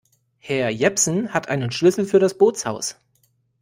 Herr Jepsen hat einen Schlüssel für das Bootshaus.